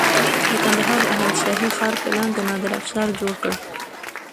د کندهار د احمد شاهي ښار پلان د نادر افشار جوړ کړ